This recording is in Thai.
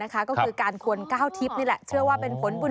ก็คือการควรก้าวทิพย์นี่แหละเชื่อว่าเป็นผลบุญ